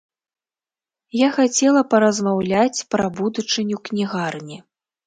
Я хацела паразмаўляць пра будучыню кнігарні.